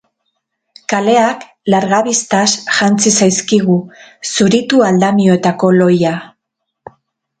Kaleak largabistaz jantzi zaizkigu, zuritu aldamioetako lohia.